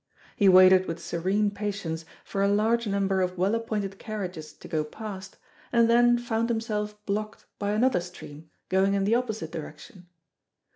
He waited with serene patience for a large number of well appointed carriages to go past, and then found himself blocked by another stream going in the opposite direction.